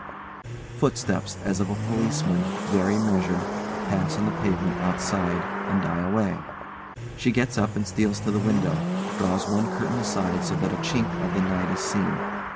] [Footsteps as of a policeman, very measured, pass on the pavement outside, and die away. She gets up and steals to the window, draws one curtain aside so that a chink of the night is seen.